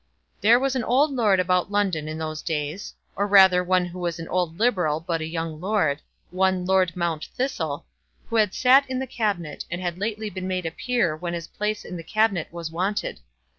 There was an old lord about London in those days, or, rather, one who was an old Liberal but a young lord, one Lord Mount Thistle, who had sat in the Cabinet, and had lately been made a peer when his place in the Cabinet was wanted.